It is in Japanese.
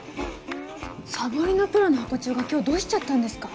サボりのプロのハコ長が今日どうしちゃったんですか？